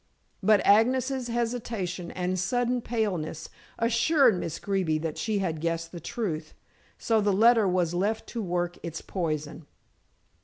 But Agnes's hesitation and sudden paleness assured Miss Greeby that she guessed the truth, so the letter was left to work its poison.